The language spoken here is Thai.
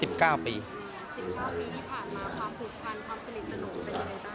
๑๙ปีที่ผ่านมาความผูกพันความสนิทสนมเป็นยังไงบ้าง